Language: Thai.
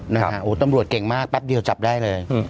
โหตำรวจเก่งมากฟับเดียวจับได้เลย